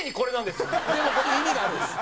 でも意味があるんです。